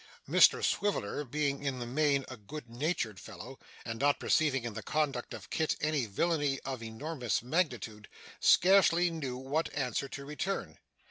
Mr Swiveller being in the main a good natured fellow, and not perceiving in the conduct of Kit any villany of enormous magnitude, scarcely knew what answer to return.